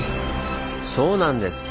そうなんです！